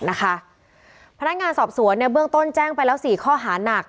นะคะพนักงานสอบสวนเนี้ยเบื้องต้นแจ้งไปแล้วสี่ข้อหาหนัก